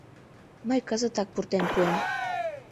Мый кызытак пуртен пуэм.